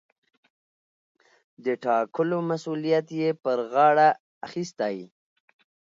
د ټاکلو مسووليت يې پر غاړه اخىستى.